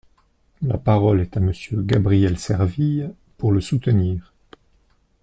La parole est à Monsieur Gabriel Serville, pour le soutenir.